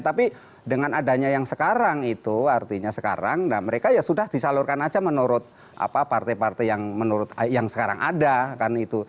tapi dengan adanya yang sekarang itu artinya sekarang mereka ya sudah disalurkan aja menurut partai partai yang sekarang ada kan itu